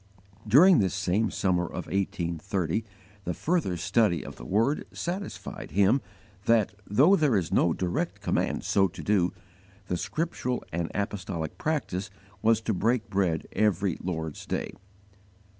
During this same summer of 1830 the further study of the Word satisfied him that, though there is no direct command so to do, the scriptural and apostolic practice was to _break bread every Lord's day.